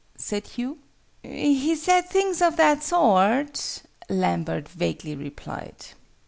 said Hugh. "He said things of that sort," Lambert vaguely replied.